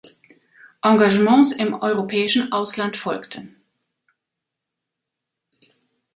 Engagements im europäischen Ausland folgten.